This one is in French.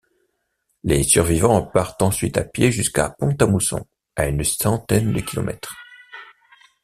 Les survivants partent ensuite à pied jusqu’à Pont-à-Mousson à une centaine de kilomètres.